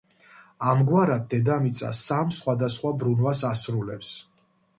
ამგვარად, დედამიწა სამ სხვადასხვა ბრუნვას ასრულებს